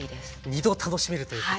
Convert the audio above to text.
２度楽しめるということで。